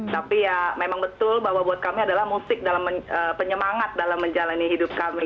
tapi ya memang betul bahwa buat kami adalah musik dalam penyemangat dalam menjalani hidup kami